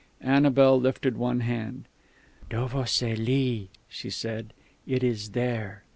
Annabel lifted one hand. "Dovo se li" she said. "It is there."